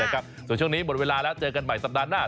ส่วนช่วงนี้หมดเวลาแล้วเจอกันใหม่สัปดาห์หน้า